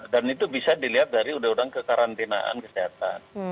dan itu bisa dilihat dari undang undang kekarantinaan kesehatan